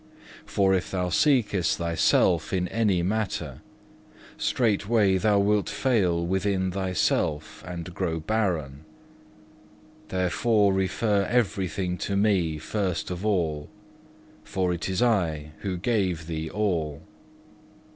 For if thou seekest thyself in any matter, straightway thou wilt fail within thyself and grow barren. Therefore refer everything to Me first of all, for it is I who gave thee all.